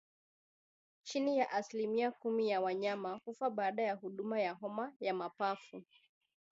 Chini ya asilimia kumi ya wanyama hufa baada ya huduma ya homa ya mapafu